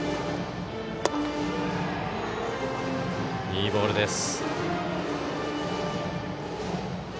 いいボールです。